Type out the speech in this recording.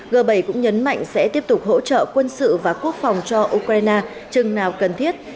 g bảy cũng nhấn mạnh sẽ tiếp tục hỗ trợ quân sự và quốc phòng cho ukraine chừng nào cần thiết